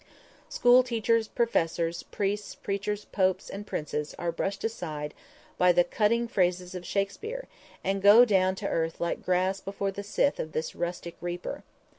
School teachers, professors, priests, preachers, popes, and princes are brushed aside by the cutting phrases of Shakspere and go down to earth like grass before the scythe of this rustic reaper.